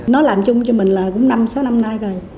nó làm chung cho mình là cũng năm sáu năm nay rồi